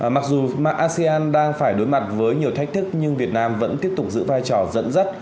mặc dù asean đang phải đối mặt với nhiều thách thức nhưng việt nam vẫn tiếp tục giữ vai trò dẫn dắt